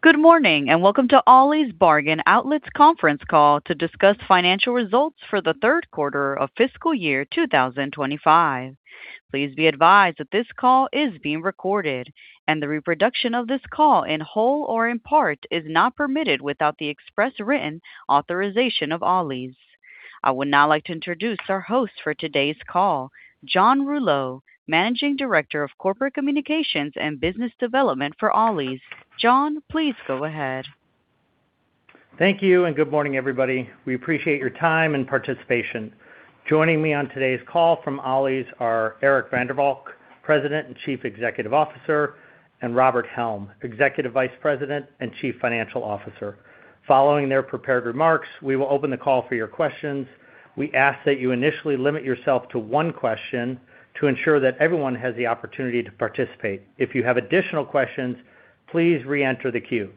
Good morning and welcome to Ollie's Bargain Outlet's conference call to discuss financial results for the third quarter of fiscal year 2025. Please be advised that this call is being recorded, and the reproduction of this call in whole or in part is not permitted without the express written authorization of Ollie's. I would now like to introduce our host for today's call, John Rouleau, Managing Director of Corporate Communications and Business Development for Ollie's. John, please go ahead. Thank you and good morning, everybody. We appreciate your time and participation. Joining me on today's call from Ollie's are Eric van der Valk, President and Chief Executive Officer, and Robert Helm, Executive Vice President and Chief Financial Officer. Following their prepared remarks, we will open the call for your questions. We ask that you initially limit yourself to one question to ensure that everyone has the opportunity to participate. If you have additional questions, please re-enter the queue.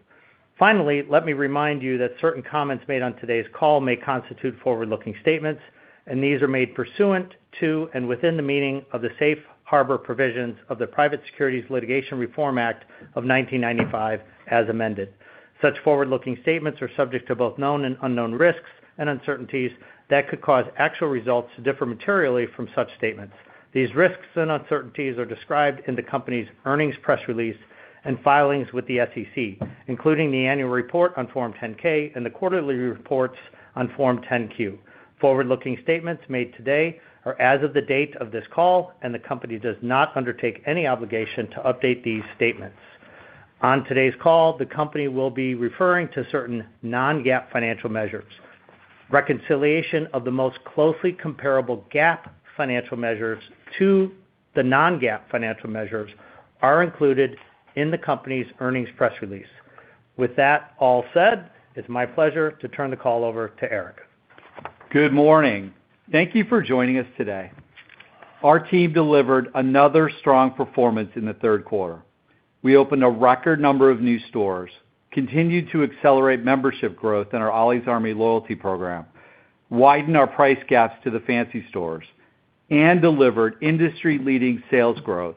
Finally, let me remind you that certain comments made on today's call may constitute forward-looking statements, and these are made pursuant to and within the meaning of the safe harbor provisions of the Private Securities Litigation Reform Act of 1995, as amended. Such forward-looking statements are subject to both known and unknown risks and uncertainties that could cause actual results to differ materially from such statements. These risks and uncertainties are described in the company's earnings press release and filings with the SEC, including the annual report on Form 10-K and the quarterly reports on Form 10-Q. Forward-looking statements made today are as of the date of this call, and the company does not undertake any obligation to update these statements. On today's call, the company will be referring to certain non-GAAP financial measures. Reconciliation of the most closely comparable GAAP financial measures to the non-GAAP financial measures is included in the company's earnings press release. With that all said, it's my pleasure to turn the call over to Eric. Good morning. Thank you for joining us today. Our team delivered another strong performance in the third quarter. We opened a record number of new stores, continued to accelerate membership growth in our Ollie's Army loyalty program, widened our price gaps to the fancy stores, and delivered industry-leading sales growth,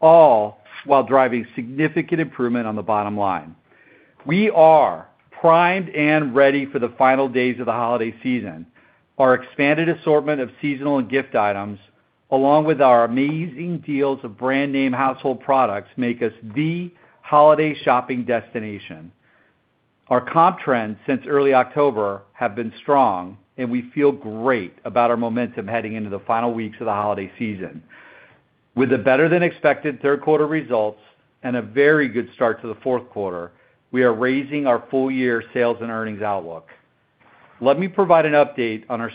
all while driving significant improvement on the bottom line. We are primed and ready for the final days of the holiday season. Our expanded assortment of seasonal and gift items, along with our amazing deals of brand-name household products, make us the holiday shopping destination. Our comp trends since early October have been strong, and we feel great about our momentum heading into the final weeks of the holiday season. With the better-than-expected third-quarter results and a very good start to the fourth quarter, we are raising our full-year sales and earnings outlook. Let me provide an update on our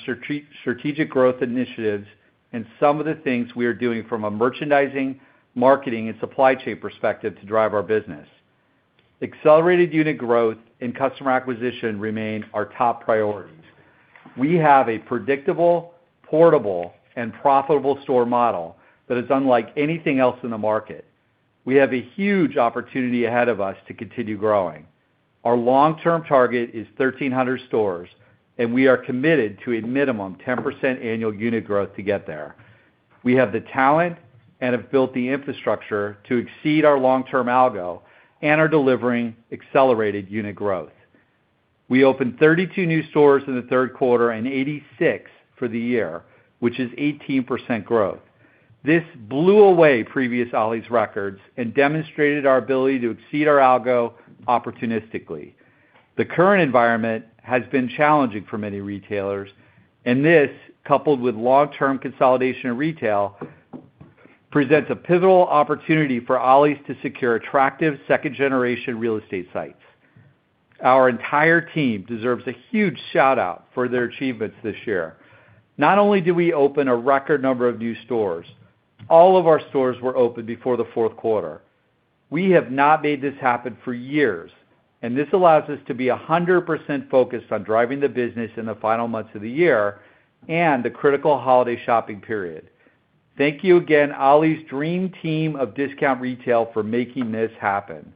strategic growth initiatives and some of the things we are doing from a merchandising, marketing, and supply chain perspective to drive our business. Accelerated unit growth and customer acquisition remain our top priorities. We have a predictable, portable, and profitable store model that is unlike anything else in the market. We have a huge opportunity ahead of us to continue growing. Our long-term target is 1,300 stores, and we are committed to a minimum 10% annual unit growth to get there. We have the talent and have built the infrastructure to exceed our long-term algo and are delivering accelerated unit growth. We opened 32 new stores in the third quarter and 86 for the year, which is 18% growth. This blew away previous Ollie's records and demonstrated our ability to exceed our algo opportunistically. The current environment has been challenging for many retailers, and this, coupled with long-term consolidation in retail, presents a pivotal opportunity for Ollie's to secure attractive second-generation real estate sites. Our entire team deserves a huge shout-out for their achievements this year. Not only did we open a record number of new stores, all of our stores were open before the fourth quarter. We have not made this happen for years, and this allows us to be 100% focused on driving the business in the final months of the year and the critical holiday shopping period. Thank you again, Ollie's dream team of discount retail, for making this happen.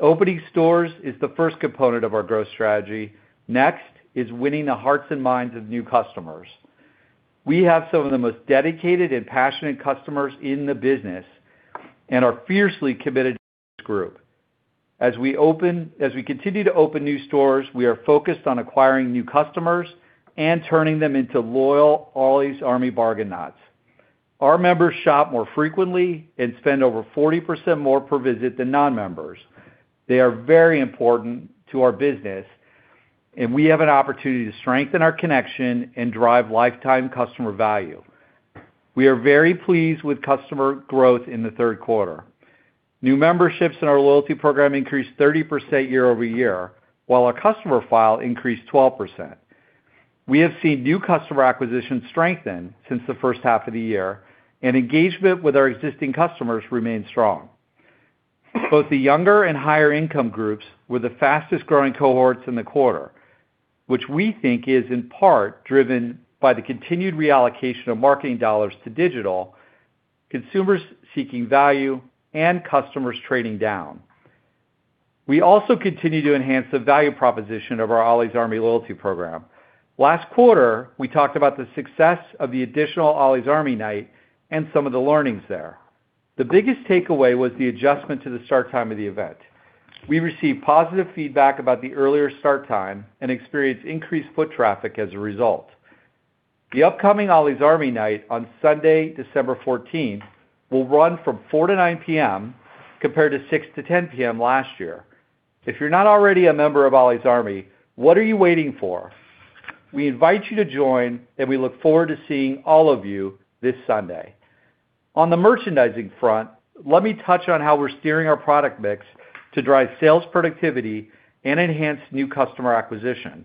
Opening stores is the first component of our growth strategy. Next is winning the hearts and minds of new customers. We have some of the most dedicated and passionate customers in the business and are fiercely committed to this group. As we continue to open new stores, we are focused on acquiring new customers and turning them into loyal Ollie's Army bargain nuts. Our members shop more frequently and spend over 40% more per visit than non-members. They are very important to our business, and we have an opportunity to strengthen our connection and drive lifetime customer value. We are very pleased with customer growth in the third quarter. New memberships in our loyalty program increased 30% year-over-year, while our customer file increased 12%. We have seen new customer acquisitions strengthen since the first half of the year, and engagement with our existing customers remains strong. Both the younger and higher-income groups were the fastest-growing cohorts in the quarter, which we think is in part driven by the continued reallocation of marketing dollars to digital, consumers seeking value, and customers trading down. We also continue to enhance the value proposition of our Ollie's Army loyalty program. Last quarter, we talked about the success of the additional Ollie's Army Night and some of the learnings there. The biggest takeaway was the adjustment to the start time of the event. We received positive feedback about the earlier start time and experienced increased foot traffic as a result. The upcoming Ollie's Army Night on Sunday, December 14th, will run from 4:00 P.M. to 9:00 P.M. compared to 6:00 P.M. to 10:00 P.M. last year. If you're not already a member of Ollie's Army, what are you waiting for? We invite you to join, and we look forward to seeing all of you this Sunday. On the merchandising front, let me touch on how we're steering our product mix to drive sales productivity and enhance new customer acquisition.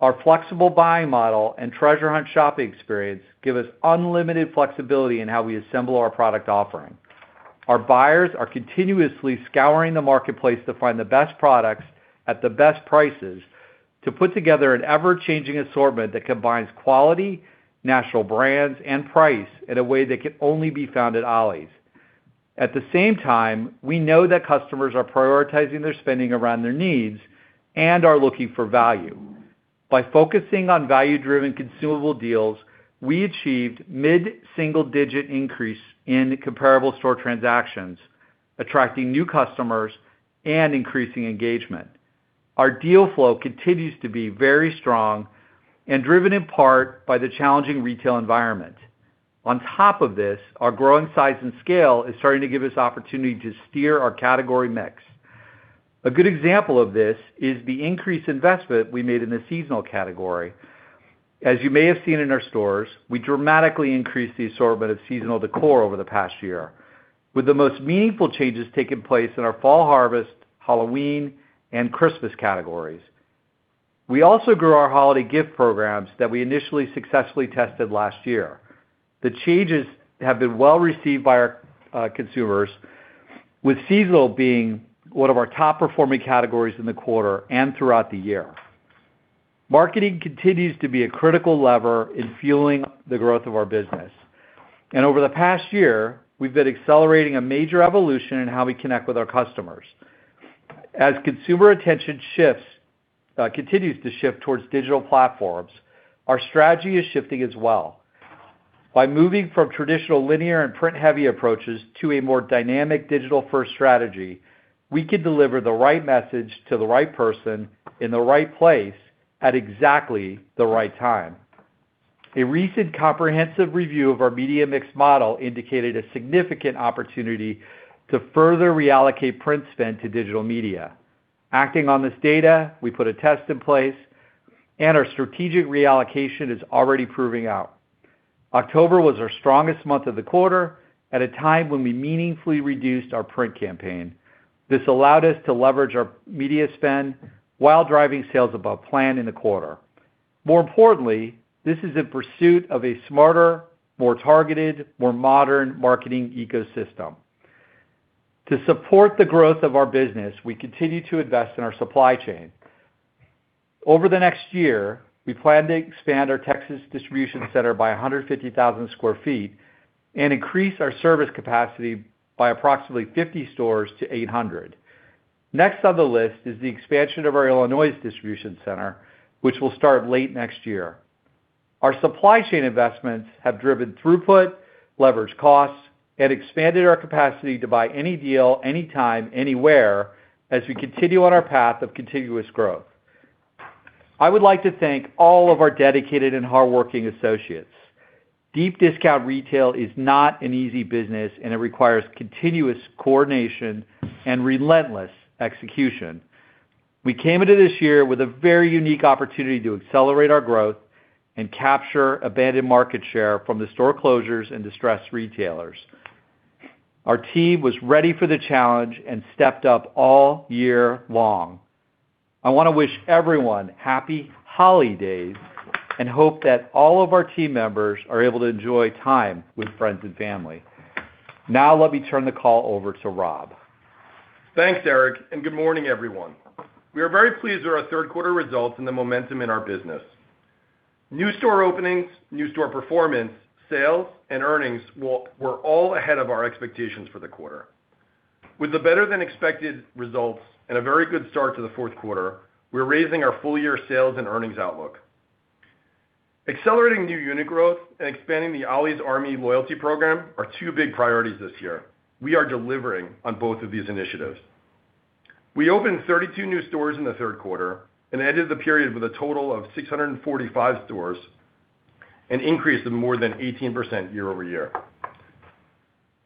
Our flexible buying model and treasure hunt shopping experience give us unlimited flexibility in how we assemble our product offering. Our buyers are continuously scouring the marketplace to find the best products at the best prices to put together an ever-changing assortment that combines quality, natural brands, and price in a way that can only be found at Ollie's. At the same time, we know that customers are prioritizing their spending around their needs and are looking for value. By focusing on value-driven consumable deals, we achieved mid-single-digit increase in comparable store transactions, attracting new customers and increasing engagement. Our deal flow continues to be very strong and driven in part by the challenging retail environment. On top of this, our growing size and scale is starting to give us the opportunity to steer our category mix. A good example of this is the increased investment we made in the seasonal category. As you may have seen in our stores, we dramatically increased the assortment of seasonal decor over the past year, with the most meaningful changes taking place in our Fall Harvest, Halloween, and Christmas categories. We also grew our holiday gift programs that we initially successfully tested last year. The changes have been well received by our consumers, with seasonal being one of our top-performing categories in the quarter and throughout the year. Marketing continues to be a critical lever in fueling the growth of our business, and over the past year, we've been accelerating a major evolution in how we connect with our customers. As consumer attention continues to shift towards digital platforms, our strategy is shifting as well. By moving from traditional linear and print-heavy approaches to a more dynamic digital-first strategy, we can deliver the right message to the right person in the right place at exactly the right time. A recent comprehensive review of our media mix model indicated a significant opportunity to further reallocate print spend to digital media. Acting on this data, we put a test in place, and our strategic reallocation is already proving out. October was our strongest month of the quarter at a time when we meaningfully reduced our print campaign. This allowed us to leverage our media spend while driving sales above plan in the quarter. More importantly, this is in pursuit of a smarter, more targeted, more modern marketing ecosystem. To support the growth of our business, we continue to invest in our supply chain. Over the next year, we plan to expand our Texas distribution center by 150,000 sq ft and increase our service capacity by approximately 50 stores to 800. Next on the list is the expansion of our Illinois distribution center, which will start late next year. Our supply chain investments have driven throughput, leveraged costs, and expanded our capacity to buy any deal, anytime, anywhere as we continue on our path of continuous growth. I would like to thank all of our dedicated and hardworking associates. Deep discount retail is not an easy business, and it requires continuous coordination and relentless execution. We came into this year with a very unique opportunity to accelerate our growth and capture abandoned market share from the store closures and distressed retailers. Our team was ready for the challenge and stepped up all year long. I want to wish everyone happy holidays and hope that all of our team members are able to enjoy time with friends and family. Now, let me turn the call over to Rob. Thanks, Eric, and good morning, everyone. We are very pleased with our third-quarter results and the momentum in our business. New store openings, new store performance, sales, and earnings were all ahead of our expectations for the quarter. With the better-than-expected results and a very good start to the fourth quarter, we're raising our full-year sales and earnings outlook. Accelerating new unit growth and expanding the Ollie's Army loyalty program are two big priorities this year. We are delivering on both of these initiatives. We opened 32 new stores in the third quarter and ended the period with a total of 645 stores and an increase of more than 18% year-over-year.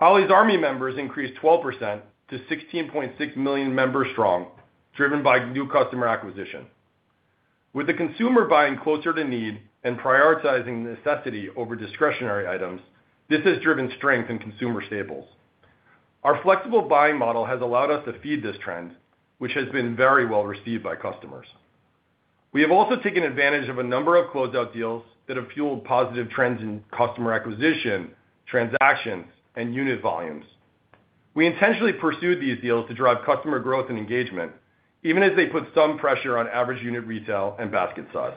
Ollie's Army members increased 12% to 16.6 million members strong, driven by new customer acquisition. With the consumer buying closer to need and prioritizing necessity over discretionary items, this has driven strength in consumer staples. Our flexible buying model has allowed us to feed this trend, which has been very well received by customers. We have also taken advantage of a number of closeout deals that have fueled positive trends in customer acquisition, transactions, and unit volumes. We intentionally pursued these deals to drive customer growth and engagement, even as they put some pressure on average unit retail and basket size.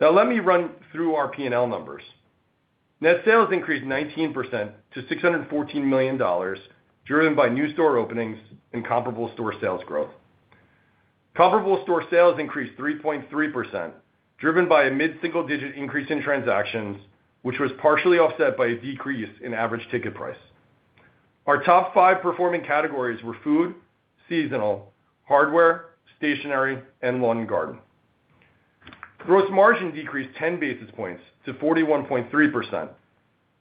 Now, let me run through our P&L numbers. Net sales increased 19% to $614 million, driven by new store openings and comparable store sales growth. Comparable store sales increased 3.3%, driven by a mid-single-digit increase in transactions, which was partially offset by a decrease in average ticket price. Our top five performing categories were food, seasonal, hardware, stationery, and lawn and garden. Gross margin decreased 10 basis points to 41.3%.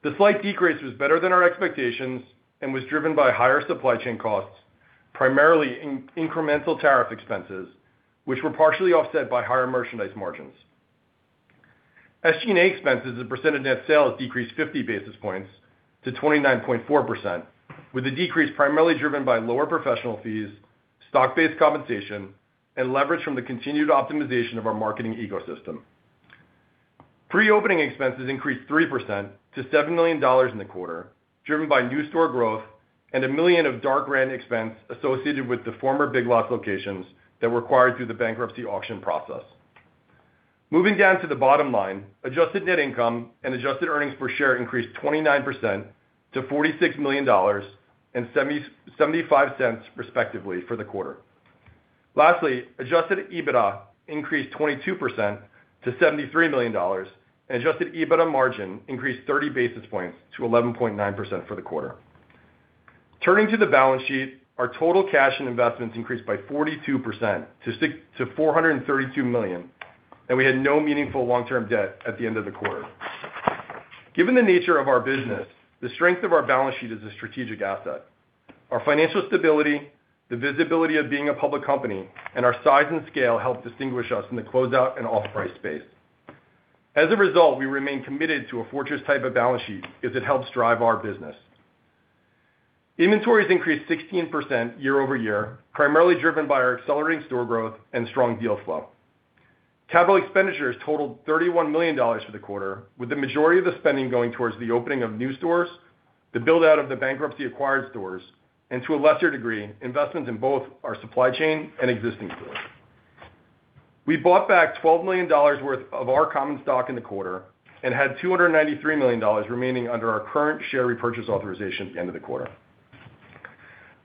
The slight decrease was better than our expectations and was driven by higher supply chain costs, primarily incremental tariff expenses, which were partially offset by higher merchandise margins. SG&A expenses and percent of net sales decreased 50 basis points to 29.4%, with the decrease primarily driven by lower professional fees, stock-based compensation, and leverage from the continued optimization of our marketing ecosystem. Pre-opening expenses increased 3% to $7 million in the quarter, driven by new store growth and a million of dark rent expense associated with the former Big Lots locations that were acquired through the bankruptcy auction process. Moving down to the bottom line, adjusted net income and adjusted earnings per share increased 29% to $46 million and $0.75, respectively, for the quarter. Lastly, adjusted EBITDA increased 22% to $73 million, and adjusted EBITDA margin increased 30 basis points to 11.9% for the quarter. Turning to the balance sheet, our total cash and investments increased by 42% to $432 million, and we had no meaningful long-term debt at the end of the quarter. Given the nature of our business, the strength of our balance sheet is a strategic asset. Our financial stability, the visibility of being a public company, and our size and scale help distinguish us in the closeout and off-price space. As a result, we remain committed to a fortress type of balance sheet as it helps drive our business. Inventories increased 16% year-over-year, primarily driven by our accelerating store growth and strong deal flow. Capital expenditures totaled $31 million for the quarter, with the majority of the spending going towards the opening of new stores, the build-out of the bankruptcy-acquired stores, and to a lesser degree, investments in both our supply chain and existing stores. We bought back $12 million worth of our common stock in the quarter and had $293 million remaining under our current share repurchase authorization at the end of the quarter.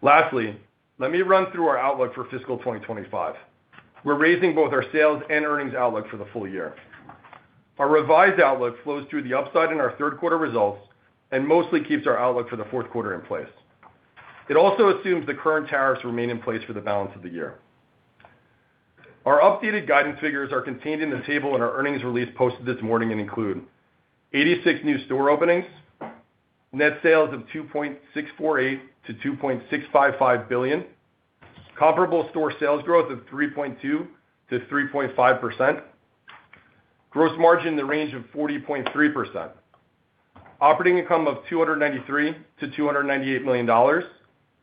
Lastly, let me run through our outlook for fiscal 2025. We're raising both our sales and earnings outlook for the full year. Our revised outlook flows through the upside in our third-quarter results and mostly keeps our outlook for the fourth quarter in place. It also assumes the current tariffs remain in place for the balance of the year. Our updated guidance figures are contained in the table in our earnings release posted this morning and include 86 new store openings, net sales of $2.648-$2.655 billion, comparable store sales growth of 3.2%-3.5%, gross margin in the range of 40.3%, operating income of $293-$298 million,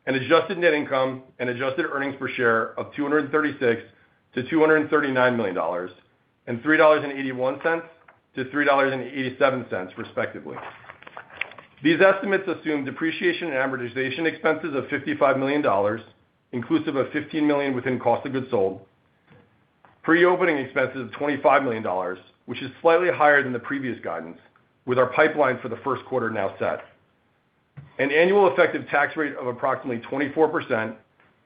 and adjusted net income and adjusted earnings per share of $236-$239 million, and $3.81-$3.87, respectively. These estimates assume depreciation and amortization expenses of $55 million, inclusive of $15 million within cost of goods sold, pre-opening expenses of $25 million, which is slightly higher than the previous guidance, with our pipeline for the first quarter now set, an annual effective tax rate of approximately 24%,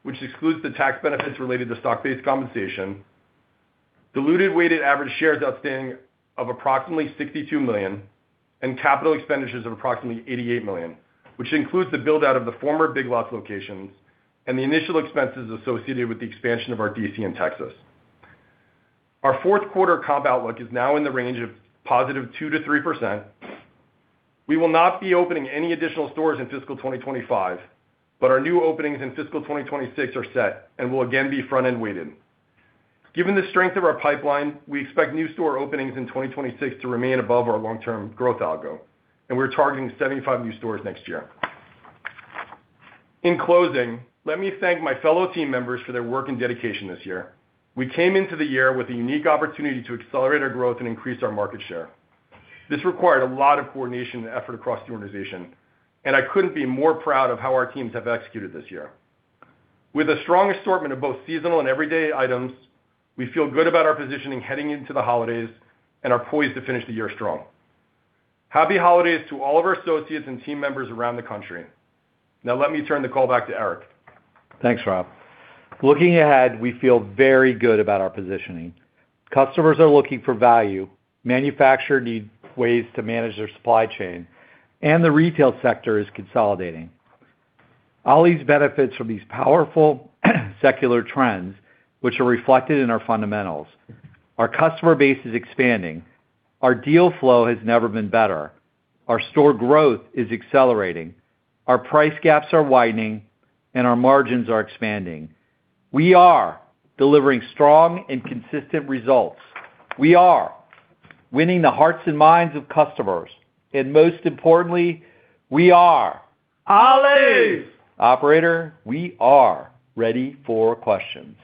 which excludes the tax benefits related to stock-based compensation, diluted weighted average shares outstanding of approximately $62 million, and capital expenditures of approximately $88 million, which includes the build-out of the former Big Lots locations and the initial expenses associated with the expansion of our DC in Texas. Our fourth quarter comp outlook is now in the range of positive 2%-3%. We will not be opening any additional stores in fiscal 2025, but our new openings in fiscal 2026 are set and will again be front-end weighted. Given the strength of our pipeline, we expect new store openings in 2026 to remain above our long-term growth algo, and we're targeting 75 new stores next year. In closing, let me thank my fellow team members for their work and dedication this year. We came into the year with a unique opportunity to accelerate our growth and increase our market share. This required a lot of coordination and effort across the organization, and I couldn't be more proud of how our teams have executed this year. With a strong assortment of both seasonal and everyday items, we feel good about our positioning heading into the holidays and are poised to finish the year strong. Happy holidays to all of our associates and team members around the country. Now, let me turn the call back to Eric. Thanks, Rob. Looking ahead, we feel very good about our positioning. Customers are looking for value, manufacturers need ways to manage their supply chain, and the retail sector is consolidating. Ollie's benefits from these powerful secular trends, which are reflected in our fundamentals. Our customer base is expanding. Our deal flow has never been better. Our store growth is accelerating. Our price gaps are widening, and our margins are expanding. We are delivering strong and consistent results. We are winning the hearts and minds of customers. And most importantly, we are- Ollie's! Operator, we are ready for questions.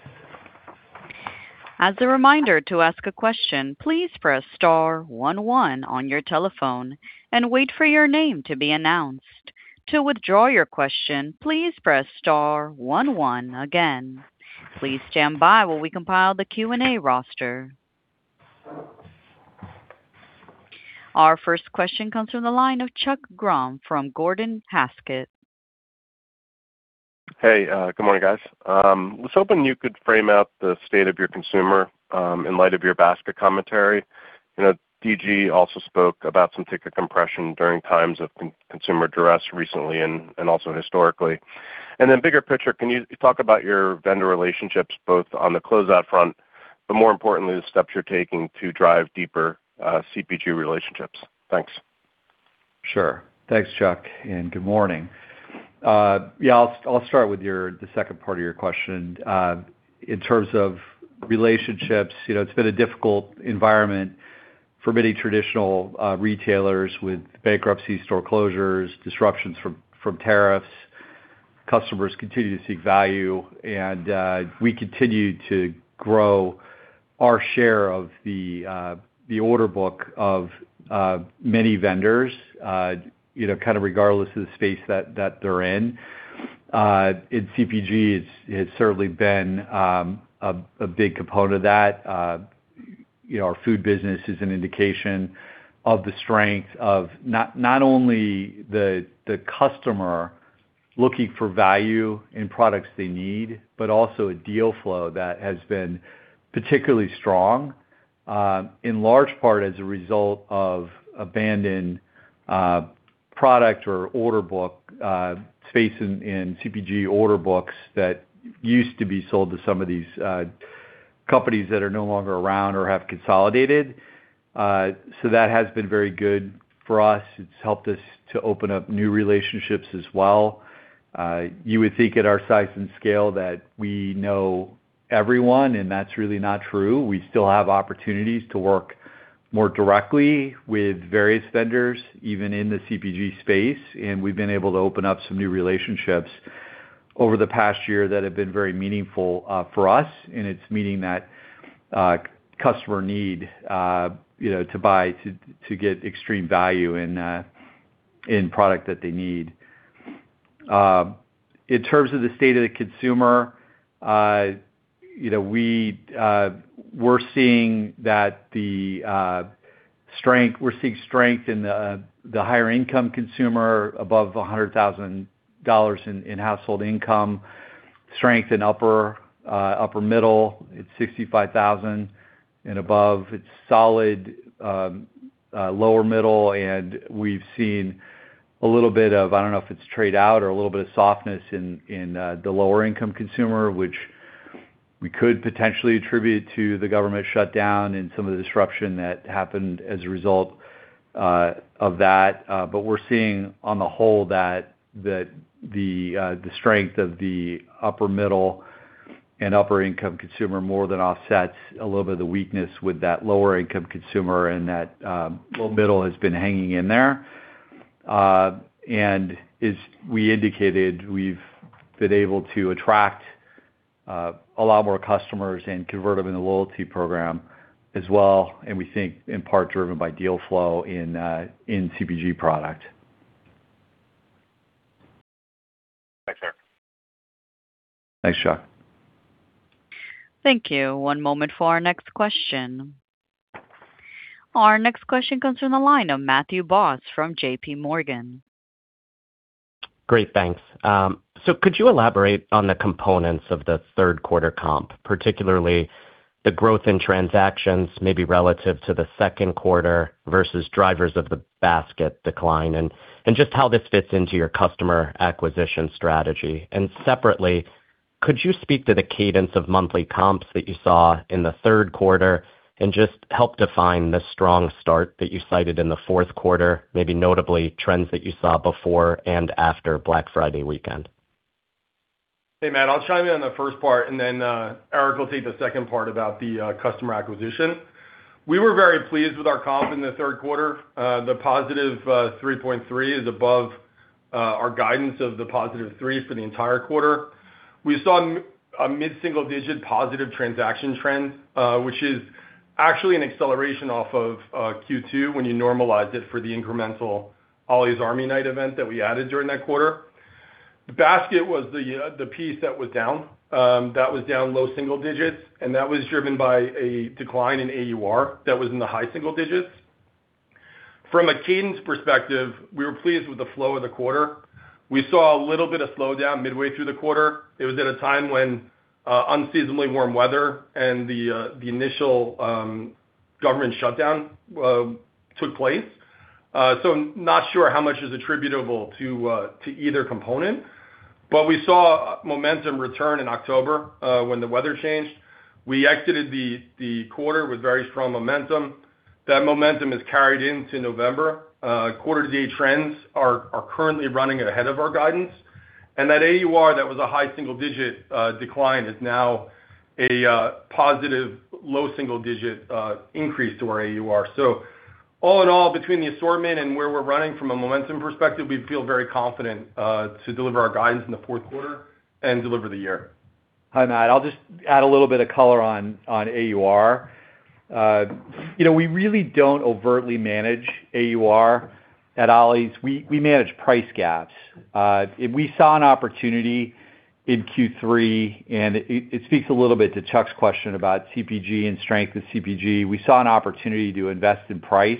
As a reminder to ask a question, please press star one one on your telephone and wait for your name to be announced. To withdraw your question, please press star one one again. Please stand by while we compile the Q&A roster. Our first question comes from the line of Chuck Grom from Gordon Haskett. Hey, good morning, guys. Let's hope you could frame out the state of your consumer in light of your basket commentary. Dollar General also spoke about some ticket compression during times of consumer duress recently and also historically. Then bigger picture, can you talk about your vendor relationships both on the closeout front, but more importantly, the steps you're taking to drive deeper CPG relationships? Thanks. Sure. Thanks, Chuck, and good morning. Yeah, I'll start with the second part of your question. In terms of relationships, it's been a difficult environment for many traditional retailers with bankruptcies, store closures, disruptions from tariffs. Customers continue to seek value, and we continue to grow our share of the order book of many vendors, kind of regardless of the space that they're in. In CPG, it's certainly been a big component of that. Our food business is an indication of the strength of not only the customer looking for value in products they need, but also a deal flow that has been particularly strong, in large part as a result of abandoned product or order book space in CPG order books that used to be sold to some of these companies that are no longer around or have consolidated. So that has been very good for us. It's helped us to open up new relationships as well. You would think at our size and scale that we know everyone, and that's really not true. We still have opportunities to work more directly with various vendors, even in the CPG space, and we've been able to open up some new relationships over the past year that have been very meaningful for us, and it's meeting that customer need to buy to get extreme value in product that they need. In terms of the state of the consumer, we're seeing that the strength, we're seeing strength in the higher-income consumer above $100,000 in household income, strength in upper middle at $65,000 and above. It's solid lower middle, and we've seen a little bit of, I don't know if it's trade-out or a little bit of softness in the lower-income consumer, which we could potentially attribute to the government shutdown and some of the disruption that happened as a result of that. But we're seeing on the whole that the strength of the upper middle and upper-income consumer more than offsets a little bit of the weakness with that lower-income consumer, and that low middle has been hanging in there, and as we indicated, we've been able to attract a lot more customers and convert them in the loyalty program as well, and we think in part driven by deal flow in CPG product. Thanks, Eric. Thanks, Chuck. Thank you. One moment for our next question. Our next question comes from the line of Matthew Boss from JPMorgan. Great, thanks. So could you elaborate on the components of the third-quarter comp, particularly the growth in transactions maybe relative to the second quarter versus drivers of the basket decline, and just how this fits into your customer acquisition strategy? And separately, could you speak to the cadence of monthly comps that you saw in the third quarter and just help define the strong start that you cited in the fourth quarter, maybe notably trends that you saw before and after Black Friday weekend? Hey, Matt. I'll chime in on the first part, and then Eric will take the second part about the customer acquisition. We were very pleased with our comp in the third quarter. The positive 3.3% is above our guidance of the positive 3% for the entire quarter. We saw a mid-single-digit positive transaction trend, which is actually an acceleration off of Q2 when you normalize it for the incremental Ollie's Army Night event that we added during that quarter. The basket was the piece that was down. That was down low single-digits, and that was driven by a decline in AUR that was in the high single-digits. From a cadence perspective, we were pleased with the flow of the quarter. We saw a little bit of slowdown midway through the quarter. It was at a time when unseasonably warm weather and the initial government shutdown took place. So I'm not sure how much is attributable to either component, but we saw momentum return in October when the weather changed. We exited the quarter with very strong momentum. That momentum has carried into November. Quarter-to-date trends are currently running ahead of our guidance. And that AUR that was a high single-digit decline is now a positive low single-digit increase to our AUR. So all in all, between the assortment and where we're running from a momentum perspective, we feel very confident to deliver our guidance in the fourth quarter and deliver the year. Hi, Matt. I'll just add a little bit of color on AUR. We really don't overtly manage AUR at Ollie's. We manage price gaps. We saw an opportunity in Q3, and it speaks a little bit to Chuck's question about CPG and strength of CPG. We saw an opportunity to invest in price,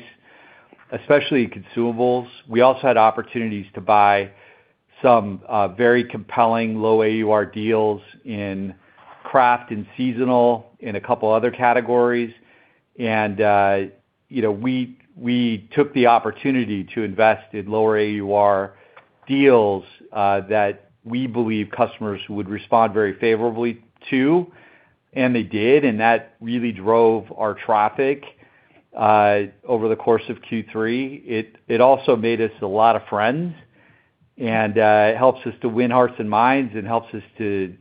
especially consumables. We also had opportunities to buy some very compelling low AUR deals in craft and seasonal in a couple of other categories, and we took the opportunity to invest in lower AUR deals that we believe customers would respond very favorably to, and they did, and that really drove our traffic over the course of Q3. It also made us a lot of friends, and it helps us to win hearts and minds and helps us to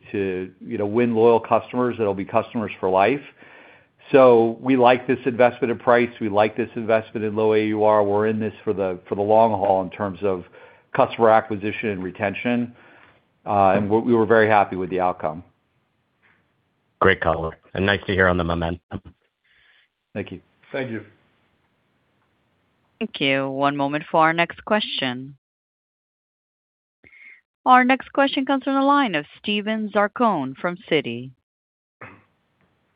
win loyal customers that will be customers for life, so we like this investment in price. We like this investment in low AUR. We're in this for the long haul in terms of customer acquisition and retention, and we were very happy with the outcome. Great color. Nice to hear on the momentum. Thank you. Thank you. Thank you. One moment for our next question. Our next question comes from the line of Steven Zaccone from Citi.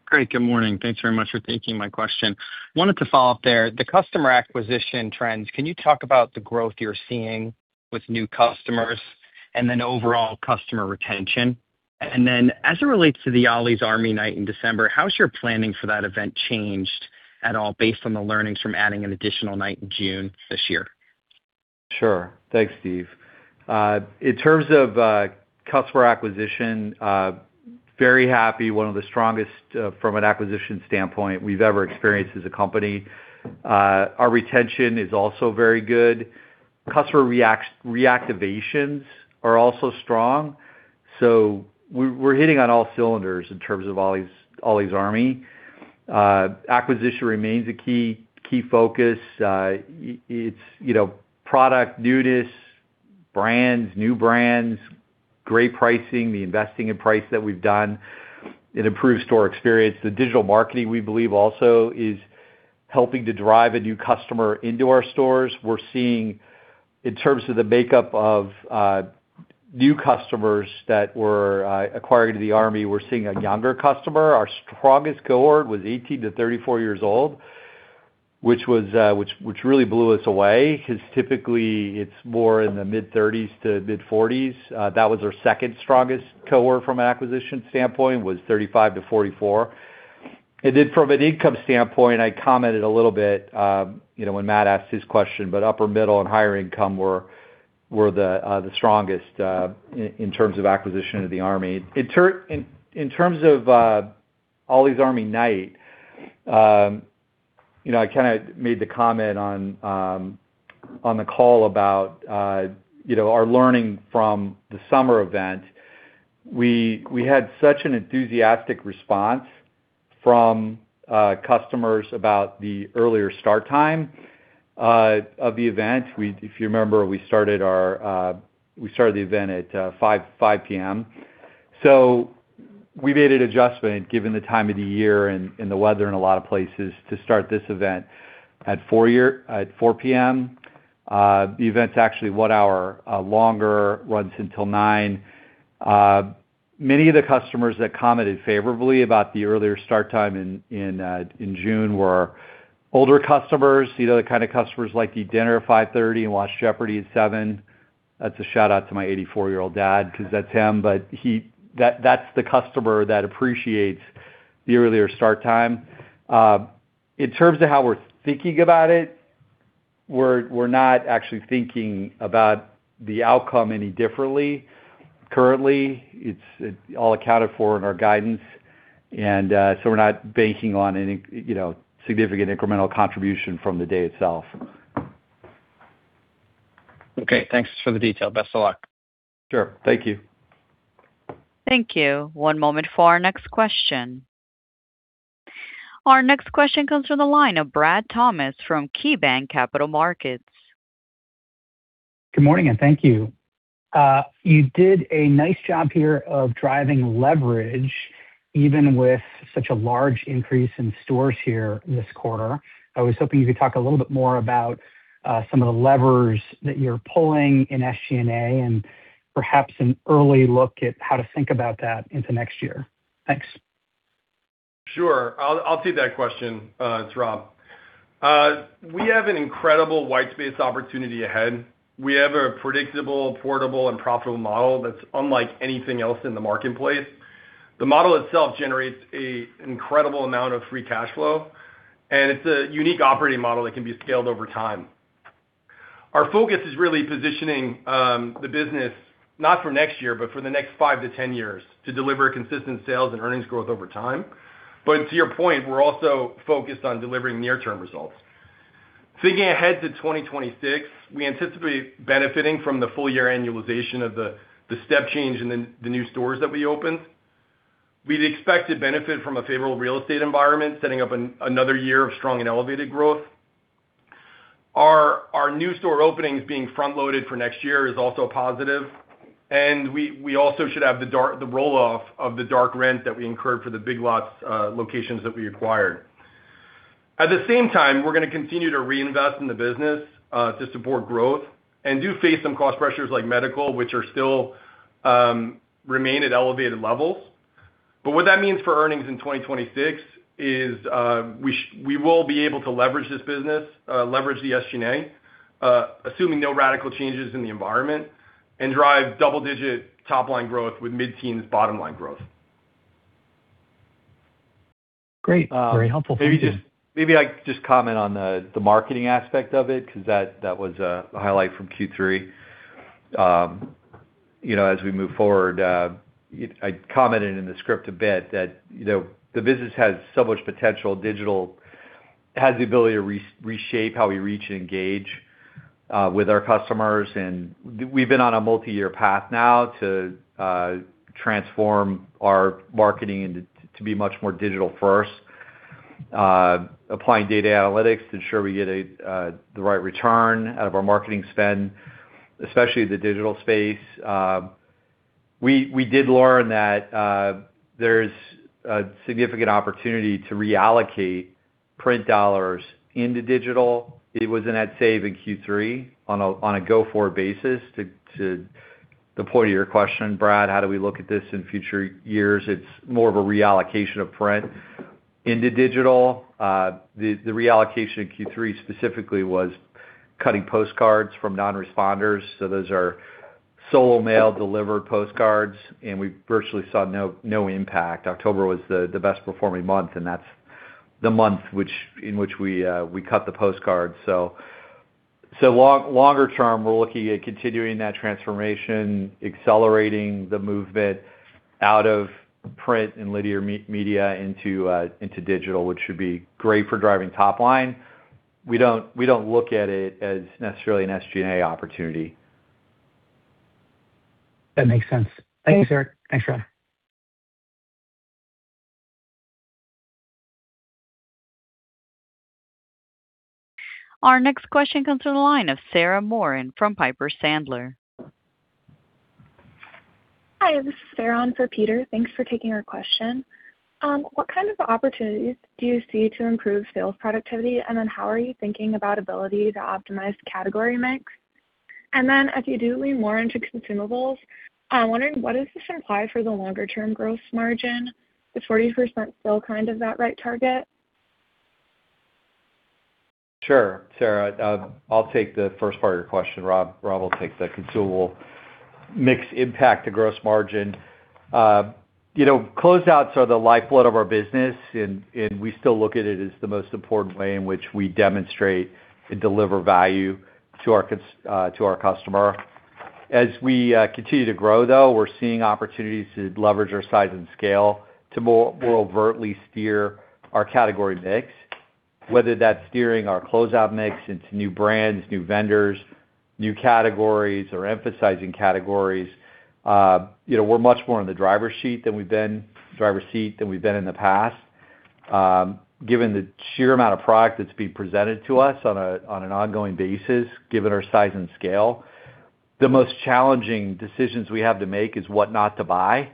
Great. Good morning. Thanks very much for taking my question. Wanted to follow up there. The customer acquisition trends, can you talk about the growth you're seeing with new customers and then overall customer retention? And then as it relates to the Ollie's Army Night in December, how has your planning for that event changed at all based on the learnings from adding an additional night in June this year? Sure. Thanks, Steve. In terms of customer acquisition, very happy. One of the strongest from an acquisition standpoint we've ever experienced as a company. Our retention is also very good. Customer reactivations are also strong. So we're hitting on all cylinders in terms of Ollie's Army. Acquisition remains a key focus. It's product newness, brands, new brands, great pricing, the investing in price that we've done. It improves store experience. The digital marketing, we believe, also is helping to drive a new customer into our stores. We're seeing, in terms of the makeup of new customers that we're acquiring to the Army, we're seeing a younger customer. Our strongest cohort was 18 to 34 years old, which really blew us away because typically it's more in the mid-30s to mid-40s. That was our second strongest cohort from an acquisition standpoint, was 35 to 44. From an income standpoint, I commented a little bit when Matt asked his question, but upper middle and higher income were the strongest in terms of acquisition of the Army. In terms of Ollie's Army Night, I kind of made the comment on the call about our learning from the summer event. We had such an enthusiastic response from customers about the earlier start time of the event. If you remember, we started the event at 5:00 P.M. So we made an adjustment given the time of the year and the weather in a lot of places to start this event at 4:00 P.M. The event's actually one hour longer, runs until 9:00 P.M. Many of the customers that commented favorably about the earlier start time in June were older customers, the kind of customers like the dinner at 5:30 P.M. and watched Jeopardy at 7:00 P.M. That's a shout-out to my 84-year-old dad because that's him, but that's the customer that appreciates the earlier start time. In terms of how we're thinking about it, we're not actually thinking about the outcome any differently. Currently, it's all accounted for in our guidance, and so we're not banking on any significant incremental contribution from the day itself. Okay. Thanks for the detail. Best of luck. Sure. Thank you. Thank you. One moment for our next question. Our next question comes from the line of Brad Thomas from KeyBanc Capital Markets. Good morning, and thank you. You did a nice job here of driving leverage, even with such a large increase in stores here this quarter. I was hoping you could talk a little bit more about some of the levers that you're pulling in SG&A and perhaps an early look at how to think about that into next year. Thanks. Sure. I'll take that question, it's Rob. We have an incredible white space opportunity ahead. We have a predictable, portable, and profitable model that's unlike anything else in the marketplace. The model itself generates an incredible amount of free cash flow, and it's a unique operating model that can be scaled over time. Our focus is really positioning the business, not for next year, but for the next 5 to 10 years to deliver consistent sales and earnings growth over time. But to your point, we're also focused on delivering near-term results. Thinking ahead to 2026, we anticipate benefiting from the full-year annualization of the step change in the new stores that we opened. We'd expect to benefit from a favorable real estate environment, setting up another year of strong and elevated growth. Our new store openings being front-loaded for next year is also positive, and we also should have the rolloff of the dark rent that we incurred for the Big Lots locations that we acquired. At the same time, we're going to continue to reinvest in the business to support growth and do face some cost pressures like medical, which still remain at elevated levels. But what that means for earnings in 2026 is we will be able to leverage this business, leverage the SG&A, assuming no radical changes in the environment, and drive double-digit top-line growth with mid-teens bottom-line growth. Great. Very helpful. Maybe I just comment on the marketing aspect of it because that was a highlight from Q3. As we move forward, I commented in the script a bit that the business has so much potential digital, has the ability to reshape how we reach and engage with our customers. And we've been on a multi-year path now to transform our marketing to be much more digital-first, applying data analytics to ensure we get the right return out of our marketing spend, especially the digital space. We did learn that there's a significant opportunity to reallocate print dollars into digital. It was a net save in Q3 on a go-forward basis. To the point of your question, Brad, how do we look at this in future years? It's more of a reallocation of print into digital. The reallocation in Q3 specifically was cutting postcards from non-responders. So those are solo mail delivered postcards, and we virtually saw no impact. October was the best-performing month, and that's the month in which we cut the postcards. So longer term, we're looking at continuing that transformation, accelerating the movement out of print and linear media into digital, which should be great for driving top line. We don't look at it as necessarily an SG&A opportunity. That makes sense. Thanks, Eric. Thanks, Rob. Our next question comes from the line of Sarah Morin from Piper Sandler. Hi. This is Sarah on for Peter. Thanks for taking our question. What kind of opportunities do you see to improve sales productivity, and then how are you thinking about ability to optimize category mix? And then if you do lean more into consumables, I'm wondering what does this imply for the longer-term gross margin? Is 40% still kind of that right target? Sure. Sarah, I'll take the first part of your question. Rob will take the consumable mix impact to gross margin. Closeouts are the lifeblood of our business, and we still look at it as the most important way in which we demonstrate and deliver value to our customer. As we continue to grow, though, we're seeing opportunities to leverage our size and scale to more overtly steer our category mix, whether that's steering our closeout mix into new brands, new vendors, new categories, or emphasizing categories. We're much more in the driver's seat than we've been in the past. Given the sheer amount of product that's being presented to us on an ongoing basis, given our size and scale, the most challenging decisions we have to make is what not to buy,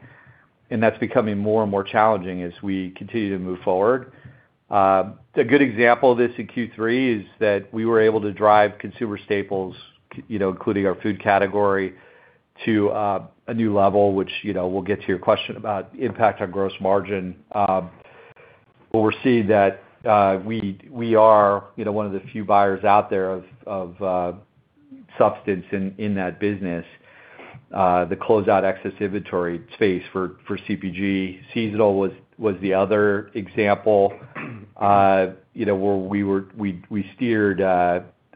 and that's becoming more and more challenging as we continue to move forward. A good example of this in Q3 is that we were able to drive consumer staples, including our food category, to a new level, which we'll get to your question about impact on gross margin. We're seeing that we are one of the few buyers out there of substance in that business. The closeout excess inventory space for CPG seasonal was the other example where we steered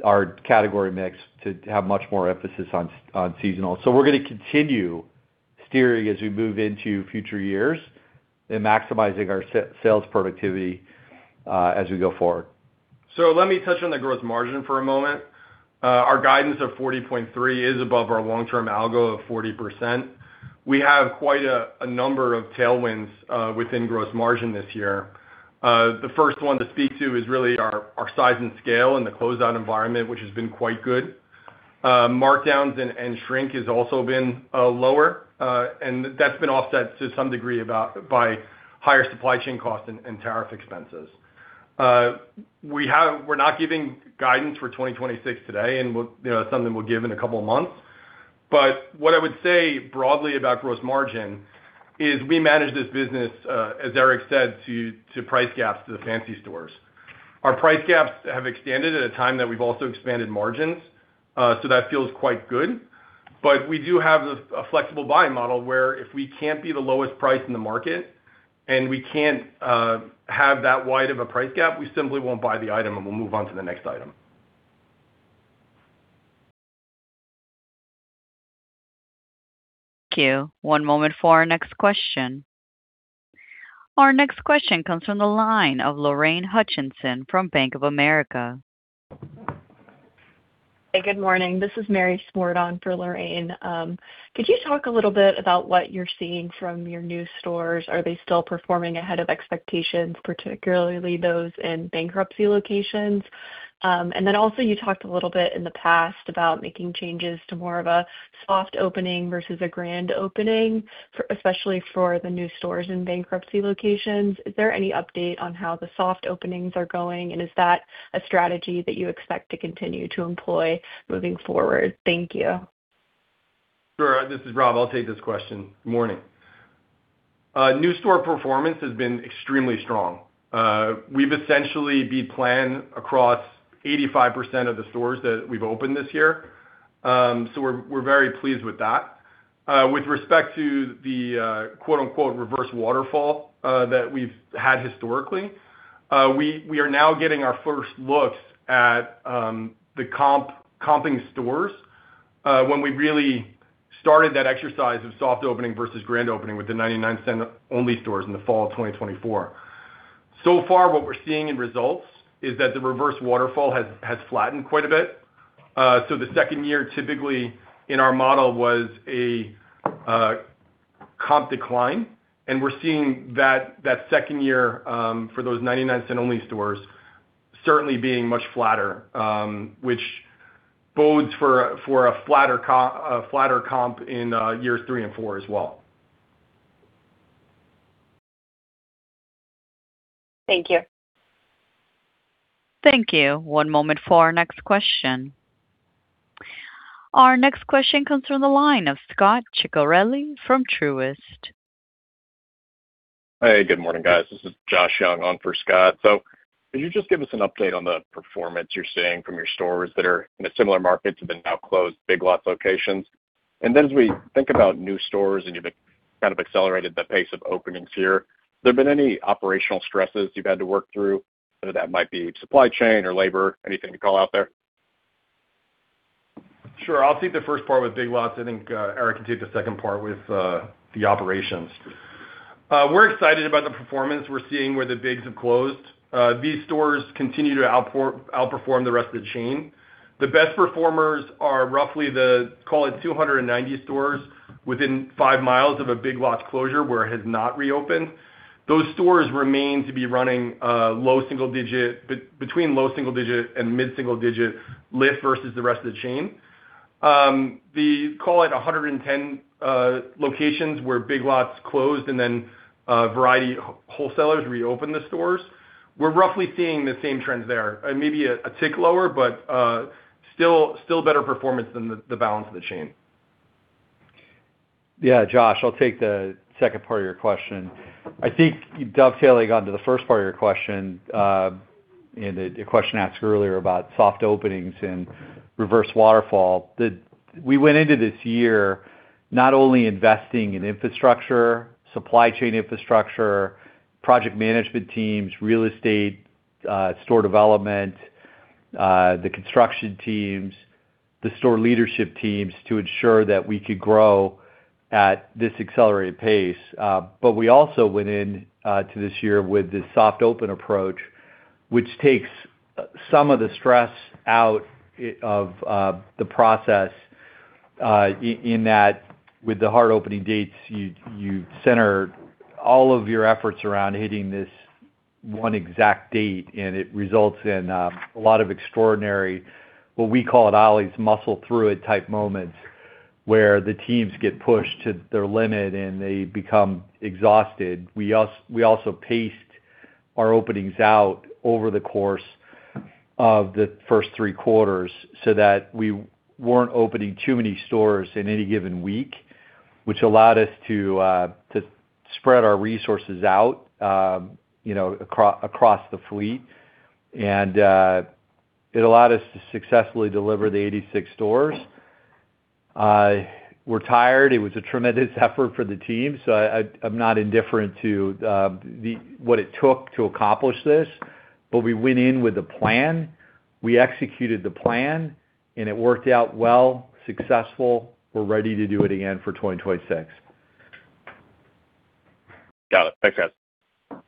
our category mix to have much more emphasis on seasonal, so we're going to continue steering as we move into future years and maximizing our sales productivity as we go forward. Let me touch on the gross margin for a moment. Our guidance of 40.3% is above our long-term algo of 40%. We have quite a number of tailwinds within gross margin this year. The first one to speak to is really our size and scale in the closeout environment, which has been quite good. Markdowns and shrink has also been lower, and that's been offset to some degree by higher supply chain costs and tariff expenses. We're not giving guidance for 2026 today, and that's something we'll give in a couple of months. But what I would say broadly about gross margin is we manage this business, as Eric said, to price gaps to the fancy stores. Our price gaps have expanded at a time that we've also expanded margins, so that feels quite good. But we do have a flexible buying model where if we can't be the lowest price in the market and we can't have that wide of a price gap, we simply won't buy the item and we'll move on to the next item. Thank you. One moment for our next question. Our next question comes from the line of Lorraine Hutchinson from Bank of America. Hey, good morning. This is Mary Sport on for Lorraine. Could you talk a little bit about what you're seeing from your new stores? Are they still performing ahead of expectations, particularly those in bankruptcy locations? And then also you talked a little bit in the past about making changes to more of a soft opening versus a grand opening, especially for the new stores in bankruptcy locations. Is there any update on how the soft openings are going, and is that a strategy that you expect to continue to employ moving forward? Thank you. Sure. This is Rob. I'll take this question. Good morning. New store performance has been extremely strong. We've essentially beat plan across 85% of the stores that we've opened this year, so we're very pleased with that. With respect to the "reverse waterfall" that we've had historically, we are now getting our first looks at the comping stores when we really started that exercise of soft opening versus grand opening with the 99 Cents Only Stores in the fall of 2024, so far, what we're seeing in results is that the reverse waterfall has flattened quite a bit, so the second year typically in our model was a comp decline, and we're seeing that second year for those 99 Cents Only Stores certainly being much flatter, which bodes for a flatter comp in years three and four as well. Thank you. Thank you. One moment for our next question. Our next question comes from the line of Scot Ciccarelli from Truist. Hey, good morning, guys. This is Josh Young on for Scot. So could you just give us an update on the performance you're seeing from your stores that are in a similar market to the now-closed Big Lots locations? And then as we think about new stores and you've kind of accelerated the pace of openings here, have there been any operational stresses you've had to work through, whether that might be supply chain or labor, anything to call out there? Sure. I'll take the first part with Big Lots. I think Eric can take the second part with the operations. We're excited about the performance we're seeing where the Big Lots have closed. These stores continue to outperform the rest of the chain. The best performers are roughly the, call it, 290 stores within five miles of a Big Lots closure where it has not reopened. Those stores remain to be running between low single-digit and mid-single-digit lift versus the rest of the chain. The, call it, 110 locations where Big Lots closed and then a variety of wholesalers reopened the stores. We're roughly seeing the same trends there. Maybe a tick lower, but still better performance than the balance of the chain. Yeah, Josh, I'll take the second part of your question. I think you dovetailing onto the first part of your question, and the question asked earlier about soft openings and reverse waterfall. We went into this year not only investing in infrastructure, supply chain infrastructure, project management teams, real estate, store development, the construction teams, the store leadership teams to ensure that we could grow at this accelerated pace. But we also went into this year with the soft open approach, which takes some of the stress out of the process in that with the hard opening dates, you center all of your efforts around hitting this one exact date, and it results in a lot of extraordinary, what we call it, Ollie's muscle-through-it type moments where the teams get pushed to their limit and they become exhausted. We also paced our openings out over the course of the first three quarters so that we weren't opening too many stores in any given week, which allowed us to spread our resources out across the fleet. And it allowed us to successfully deliver the 86 stores. We're tired. It was a tremendous effort for the team, so I'm not indifferent to what it took to accomplish this. But we went in with a plan. We executed the plan, and it worked out well, successful. We're ready to do it again for 2026. Got it. Thanks, guys.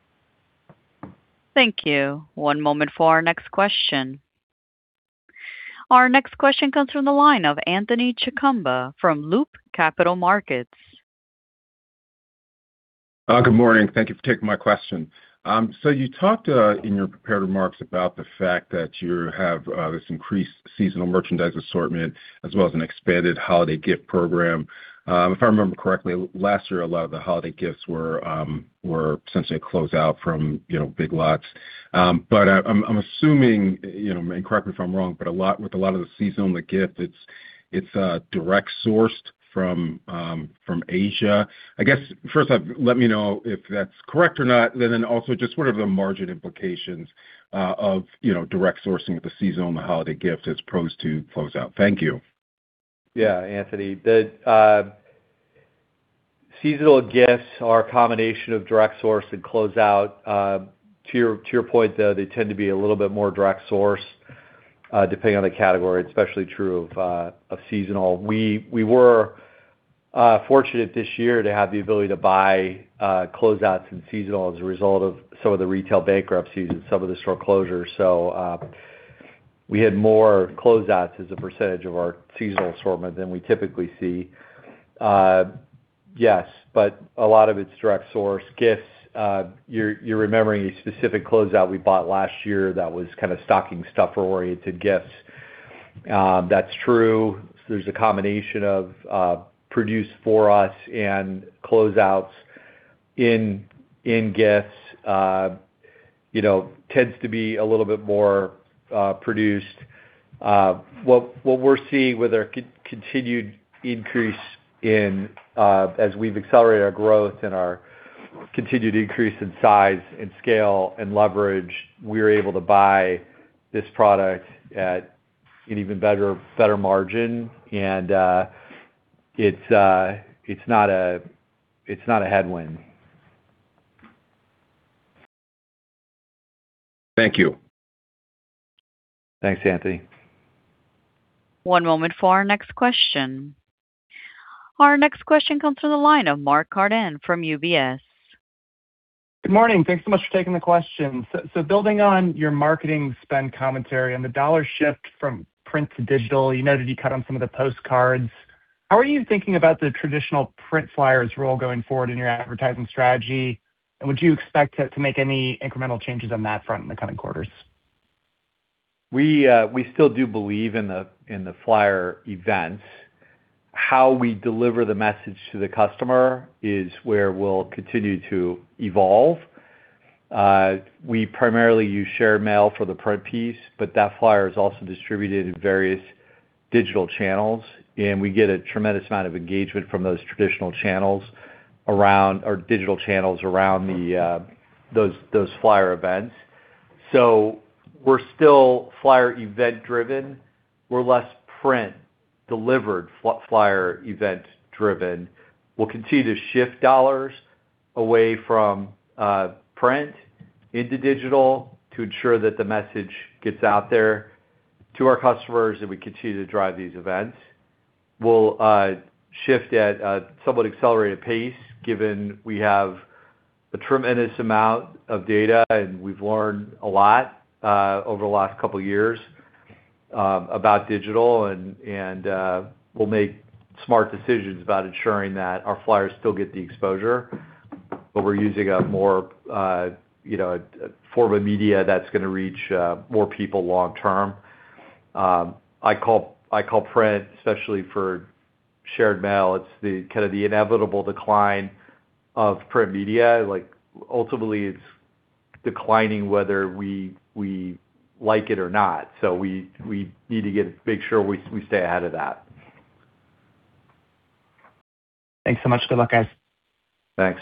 Thank you. One moment for our next question. Our next question comes from the line of Anthony Chukumba from Loop Capital Markets. Good morning. Thank you for taking my question. So you talked in your prepared remarks about the fact that you have this increased seasonal merchandise assortment as well as an expanded holiday gift program. If I remember correctly, last year, a lot of the holiday gifts were essentially a closeout from Big Lots. But I'm assuming, and correct me if I'm wrong, but with a lot of the seasonal gifts, it's direct sourced from Asia. I guess, first off, let me know if that's correct or not, and then also just what are the margin implications of direct sourcing of the seasonal and the holiday gift as opposed to closeout. Thank you. Yeah, Anthony. Seasonal gifts are a combination of direct source and closeout. To your point, though, they tend to be a little bit more direct source depending on the category, especially true of seasonal. We were fortunate this year to have the ability to buy closeouts and seasonal as a result of some of the retail bankruptcies and some of the store closures. So we had more closeouts as a percentage of our seasonal assortment than we typically see. Yes, but a lot of it's direct source gifts. You're remembering a specific closeout we bought last year that was kind of stocking stuffer-oriented gifts. That's true. There's a combination of produced for us and closeouts in gifts tends to be a little bit more produced. What we're seeing with our continued increase in, as we've accelerated our growth and our continued increase in size and scale and leverage, we're able to buy this product at an even better margin, and it's not a headwind. Thank you. Thanks, Anthony. One moment for our next question. Our next question comes from the line of Mark Carden from UBS. Good morning. Thanks so much for taking the question. So building on your marketing spend commentary on the dollar shift from print to digital, you noted you cut on some of the postcards. How are you thinking about the traditional print flyer's role going forward in your advertising strategy? And would you expect to make any incremental changes on that front in the coming quarters? We still do believe in the flyer events. How we deliver the message to the customer is where we'll continue to evolve. We primarily use Shared Mail for the print piece, but that flyer is also distributed in various digital channels, and we get a tremendous amount of engagement from those traditional channels around our digital channels around those flyer events. So we're still flyer event-driven. We're less print-delivered flyer event-driven. We'll continue to shift dollars away from print into digital to ensure that the message gets out there to our customers and we continue to drive these events. We'll shift at a somewhat accelerated pace given we have a tremendous amount of data, and we've learned a lot over the last couple of years about digital, and we'll make smart decisions about ensuring that our flyers still get the exposure, but we're using another form of media that's going to reach more people long term. I call print, especially for Shared Mail, it's kind of the inevitable decline of print media. Ultimately, it's declining whether we like it or not, so we need to make sure we stay ahead of that. Thanks so much. Good luck, guys. Thanks.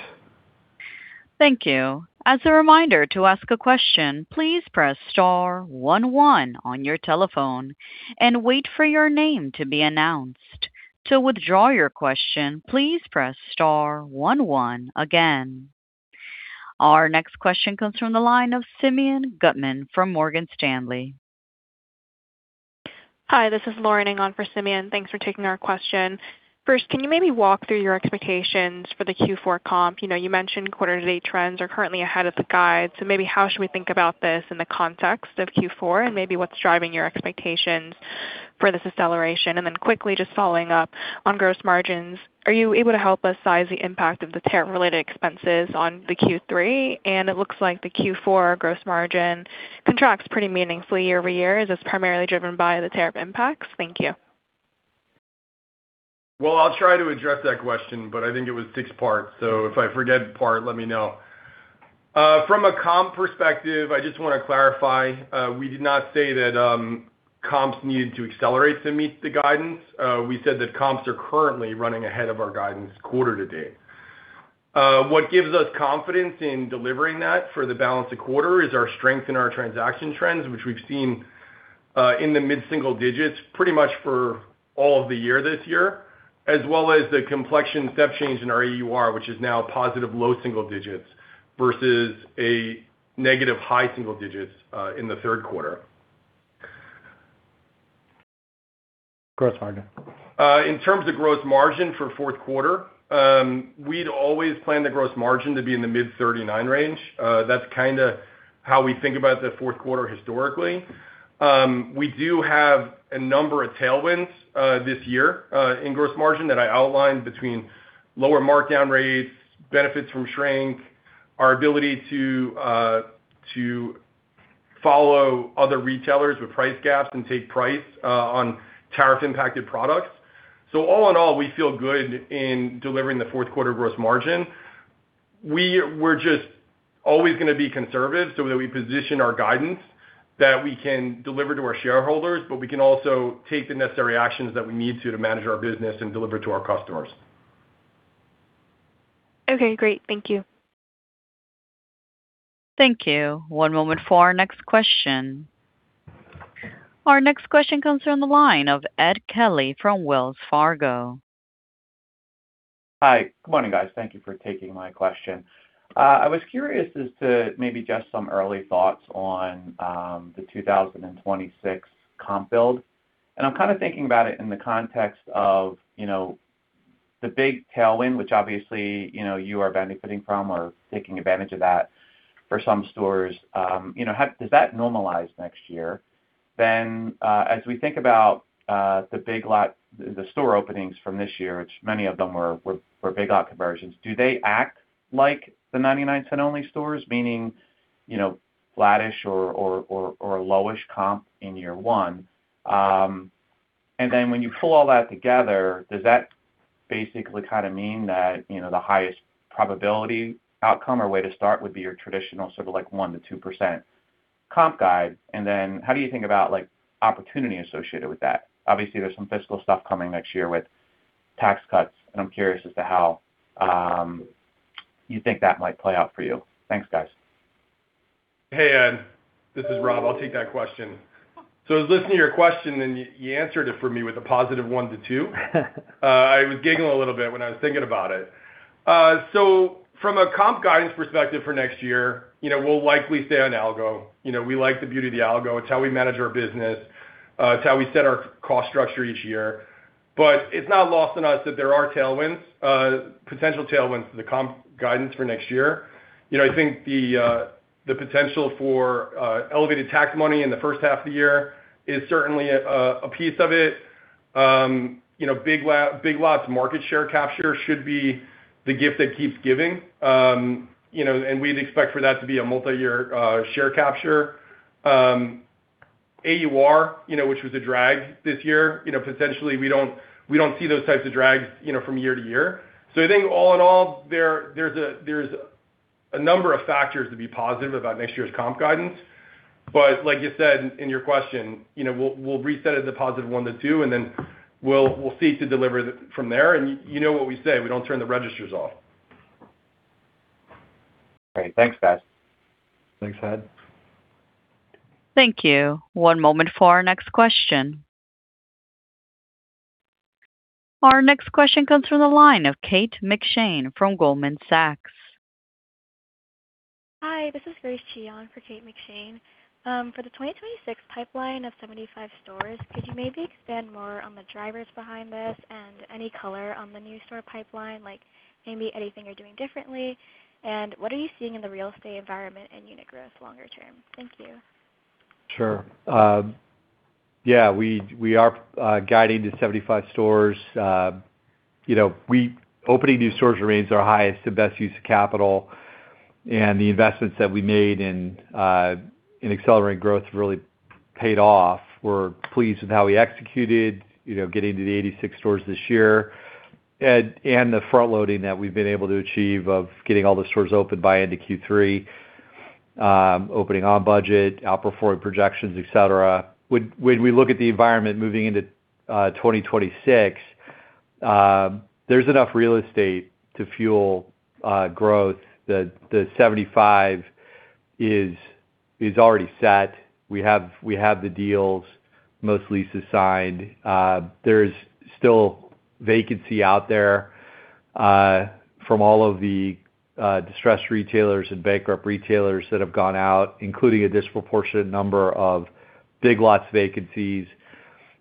Thank you. As a reminder to ask a question, please press star one one on your telephone and wait for your name to be announced. To withdraw your question, please press star one one again. Our next question comes from the line of Simeon Gutman from Morgan Stanley. Hi, this is Lauren Ng for Simeon. Thanks for taking our question. First, can you maybe walk through your expectations for the Q4 comp? You mentioned quarter-to-date trends are currently ahead of the guide. So maybe how should we think about this in the context of Q4 and maybe what's driving your expectations for this acceleration? And then quickly just following up on gross margins, are you able to help us size the impact of the tariff-related expenses on the Q3? And it looks like the Q4 gross margin contracts pretty meaningfully year-over-year. Is this primarily driven by the tariff impacts? Thank you. I'll try to address that question, but I think it was six parts. If I forget part, let me know. From a comp perspective, I just want to clarify. We did not say that comps needed to accelerate to meet the guidance. We said that comps are currently running ahead of our guidance quarter-to-date. What gives us confidence in delivering that for the balance of quarter is our strength in our transaction trends, which we've seen in the mid-single-digits pretty much for all of the year this year, as well as the complexion step change in our AUR, which is now positive low single-digits versus a negative high single-digits in the third quarter. Gross margin. In terms of gross margin for fourth quarter, we'd always planned the gross margin to be in the mid-39% range. That's kind of how we think about the fourth quarter historically. We do have a number of tailwinds this year in gross margin that I outlined between lower markdown rates, benefits from shrink, our ability to follow other retailers with price gaps and take price on tariff-impacted products. So all in all, we feel good in delivering the fourth quarter gross margin. We're just always going to be conservative so that we position our guidance that we can deliver to our shareholders, but we can also take the necessary actions that we need to to manage our business and deliver to our customers. Okay. Great. Thank you. Thank you. One moment for our next question. Our next question comes from the line of Ed Kelly from Wells Fargo. Hi. Good morning, guys. Thank you for taking my question. I was curious as to maybe just some early thoughts on the 2026 comp build. And I'm kind of thinking about it in the context of the big tailwind, which obviously you are benefiting from or taking advantage of that for some stores. Does that normalize next year? Then as we think about the Big Lots store openings from this year, which many of them were Big Lots conversions, do they act like the 99 Cents Only Stores, meaning flattish or lowish comp in year one? And then when you pull all that together, does that basically kind of mean that the highest probability outcome or way to start would be your traditional sort of like 1%-2% comp guide? And then how do you think about opportunity associated with that? Obviously, there's some fiscal stuff coming next year with tax cuts, and I'm curious as to how you think that might play out for you. Thanks, guys. Hey, Ed. This is Rob. I'll take that question. So I was listening to your question, and you answered it for me with a positive 1%-2%. I was giggling a little bit when I was thinking about it. So from a comp guidance perspective for next year, we'll likely stay on algo. We like the beauty of the algo. It's how we manage our business. It's how we set our cost structure each year. But it's not lost on us that there are tailwinds, potential tailwinds to the comp guidance for next year. I think the potential for elevated tax money in the first half of the year is certainly a piece of it. Big Lots market share capture should be the gift that keeps giving. And we'd expect for that to be a multi-year share capture. AUR, which was a drag this year, potentially, we don't see those types of drags from year to year. So I think all in all, there's a number of factors to be positive about next year's comp guidance. But like you said in your question, we'll reset it at the positive 1%-2%, and then we'll seek to deliver from there. And you know what we say. We don't turn the registers off. Great. Thanks, guys. Thanks, Ed. Thank you. One moment for our next question. Our next question comes from the line of Kate McShane from Goldman Sachs. Hi. This is Grace Cheong for Kate McShane. For the 2026 pipeline of 75 stores, could you maybe expand more on the drivers behind this and any color on the new store pipeline, like maybe anything you're doing differently, and what are you seeing in the real estate environment and unit growth longer term? Thank you. Sure. Yeah. We are guiding to 75 stores. Opening new stores remains our highest, the best use of capital. And the investments that we made in accelerating growth really paid off. We're pleased with how we executed, getting to the 86 stores this year, and the front-loading that we've been able to achieve of getting all the stores open by end of Q3, opening on budget, outperforming projections, etc. When we look at the environment moving into 2026, there's enough real estate to fuel growth. The 75 is already set. We have the deals, most leases signed. There's still vacancy out there from all of the distressed retailers and bankrupt retailers that have gone out, including a disproportionate number of Big Lots vacancies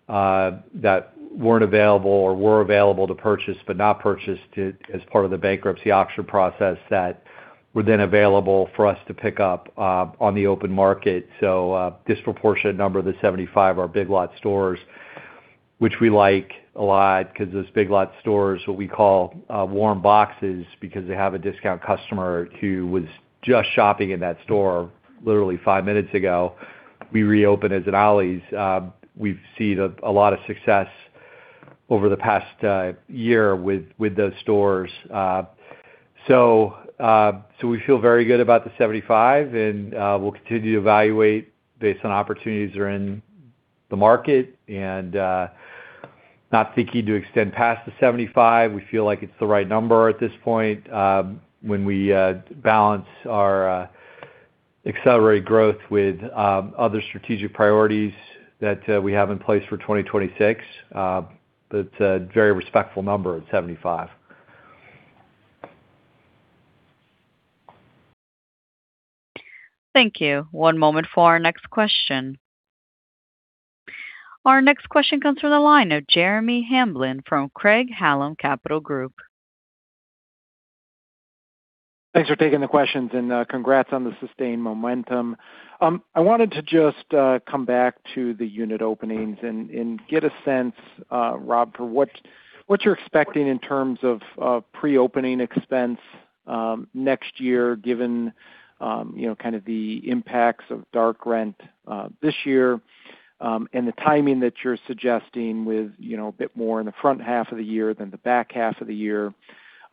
that weren't available or were available to purchase but not purchased as part of the bankruptcy auction process that were then available for us to pick up on the open market. So a disproportionate number of the 75 are Big Lots stores, which we like a lot because those Big Lots stores are what we call warm boxes because they have a discount customer who was just shopping in that store literally five minutes ago. We reopened as an Ollie's. We've seen a lot of success over the past year with those stores. So we feel very good about the 75, and we'll continue to evaluate based on opportunities that are in the market and not thinking to extend past the 75. We feel like it's the right number at this point when we balance our accelerated growth with other strategic priorities that we have in place for 2026, but it's a very respectful number at 75. Thank you. One moment for our next question. Our next question comes from the line of Jeremy Hamblin from Craig-Hallum Capital Group. Thanks for taking the questions, and congrats on the sustained momentum. I wanted to just come back to the unit openings and get a sense, Rob, for what you're expecting in terms of pre-opening expense next year given kind of the impacts of dark rent this year and the timing that you're suggesting with a bit more in the front half of the year than the back half of the year.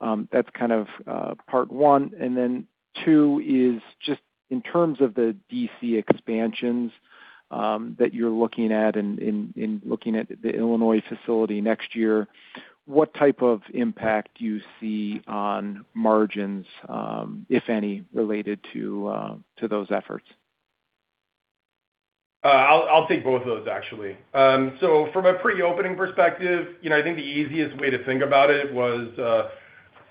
That's kind of part one. And then two is just in terms of the DC expansions that you're looking at and looking at the Illinois facility next year, what type of impact do you see on margins, if any, related to those efforts? I'll take both of those, actually. From a pre-opening perspective, I think the easiest way to think about it was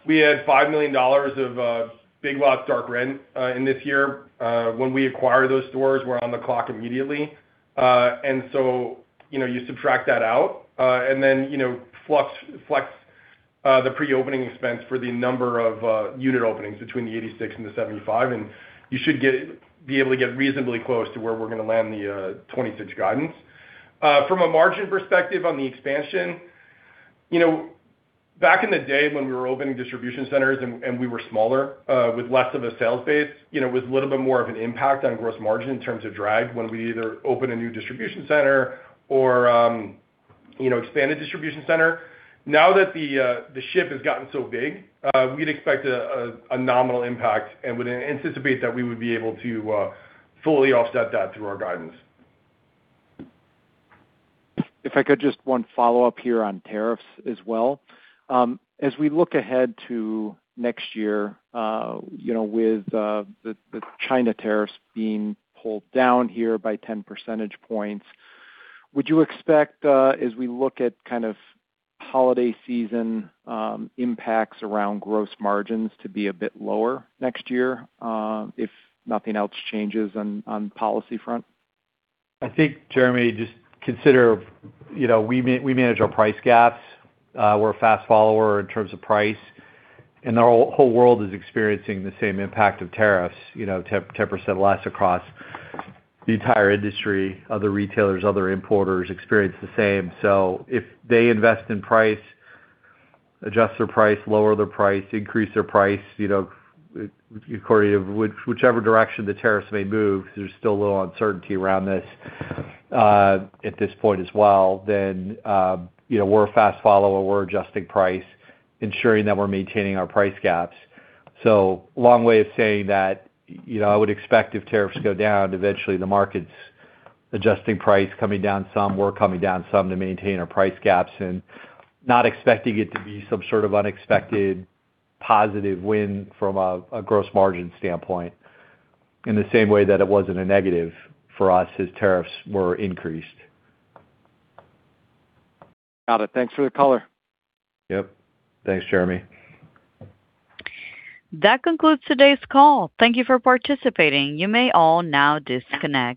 we had $5 million of Big Lots dark rent in this year. When we acquired those stores, we're on the clock immediately. You subtract that out and then flex the pre-opening expense for the number of unit openings between the 86 and the 75, and you should be able to get reasonably close to where we're going to land the 26 guidance. From a margin perspective on the expansion, back in the day when we were opening distribution centers and we were smaller with less of a sales base, it was a little bit more of an impact on gross margin in terms of drag when we either opened a new distribution center or expanded distribution center. Now that the ship has gotten so big, we'd expect a nominal impact and would anticipate that we would be able to fully offset that through our guidance. If I could just one follow-up here on tariffs as well. As we look ahead to next year with the China tariffs being pulled down here by 10 percentage points, would you expect as we look at kind of holiday season impacts around gross margins to be a bit lower next year if nothing else changes on policy front? I think, Jeremy, just consider we manage our price gaps. We're a fast follower in terms of price. And the whole world is experiencing the same impact of tariffs, 10% less across the entire industry. Other retailers, other importers experience the same. So if they invest in price, adjust their price, lower their price, increase their price, according to whichever direction the tariffs may move, there's still a little uncertainty around this at this point as well. Then we're a fast follower. We're adjusting price, ensuring that we're maintaining our price gaps. So long way of saying that I would expect if tariffs go down, eventually the market's adjusting price, coming down some, we're coming down some to maintain our price gaps and not expecting it to be some sort of unexpected positive win from a gross margin standpoint in the same way that it wasn't a negative for us as tariffs were increased. Got it. Thanks for the color. Yep. Thanks, Jeremy. That concludes today's call. Thank you for participating. You may all now disconnect.